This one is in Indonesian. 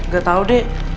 gak tau d